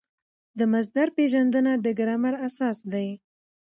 د مصدر پېژندنه د ګرامر اساس دئ.